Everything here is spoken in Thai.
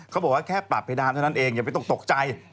เขาบอกว่าแค่ปรับเพดานเท่านั้นเองอย่าไม่ต้องตกใจ